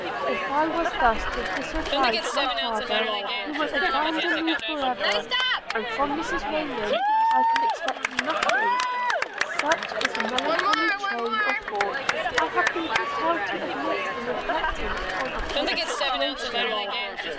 If I was thus to disoblige my father, he would abandon me for ever, and from Mrs Rayland I could expect nothing. Such is the melancholy train of thought I have been compelled to admit in reflecting on our present situation.